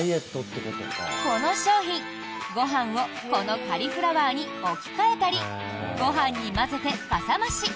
この商品、ご飯をこのカリフラワーに置き換えたりご飯に混ぜて、かさ増し。